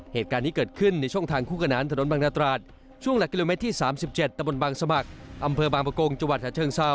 เหตุการณ์นี้เกิดขึ้นในช่องทางคู่ขนานถนนบางนาตราดช่วงหลักกิโลเมตรที่๓๗ตะบนบางสมัครอำเภอบางประกงจังหวัดฉะเชิงเซา